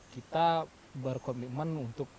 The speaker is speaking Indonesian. kita berkomitmen untuk